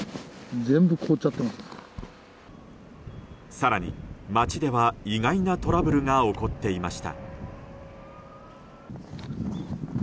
更に街では意外なトラブルが起こっていました。